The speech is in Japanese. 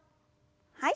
はい。